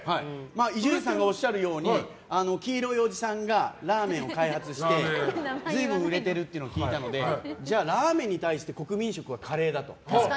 伊集院さんがおっしゃるように黄色いおじさんがラーメンを開発して随分売れてるっていうのを聞いたのでじゃあ、ラーメンに対して国民食はカレーだと。